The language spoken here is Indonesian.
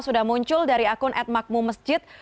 sudah muncul dari akun atmakmumesjid